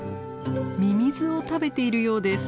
ミミズを食べているようです。